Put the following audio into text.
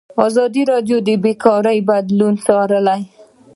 ازادي راډیو د بیکاري بدلونونه څارلي.